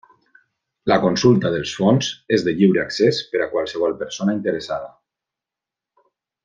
La consulta dels fons és de lliure accés per a qualsevol persona interessada.